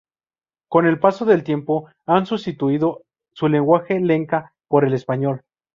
Con el paso del tiempo han sustituido su lenguaje lenca por el español.